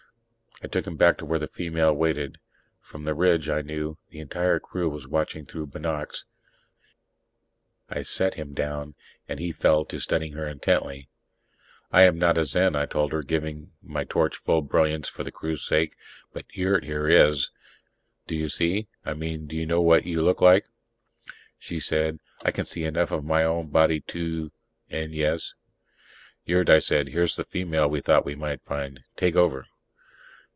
I took him back to where the female waited. From the ridge, I knew, the entire crew was watching through binocs. I set him down, and he fell to studying her intently. "I am not a Zen," I told her, giving my torch full brilliance for the crew's sake, "but Yurt here is. Do you see ... I mean, do you know what you look like?" She said, "I can see enough of my own body to and yes ..." "Yurt," I said, "here's the female we thought we might find. Take over."